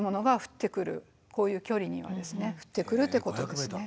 こういう距離には降ってくるってことですね。